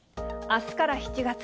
あすから７月。